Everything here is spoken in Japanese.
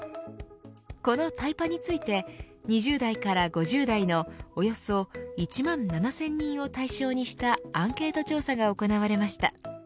このタイパについて２０代から５０代のおよそ１万７０００人を対象にしたアンケート調査が行われました。